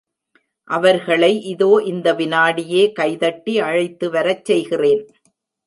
அவர்களை இதோ இந்த விநாடியே கைதட்டி அழைத்துவரச் செய்கிறேன்!